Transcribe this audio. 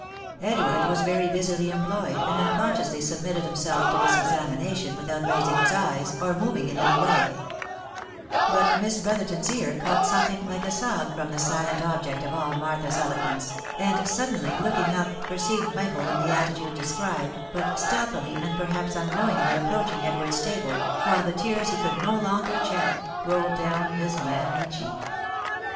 Edward was very busily employed, and unconsciously submitted himself to this examination without raising his eyes, or moving in any way ; but Miss Brotherton's ear caught something like a sob from the silent object of all Martha's eloquence, and suddenly looking up perceived Michael in the attitude described, but stealthily, and perhaps unknowingly approaching Edward's table, while the tears he could no longer check, roiled down his manly cheek.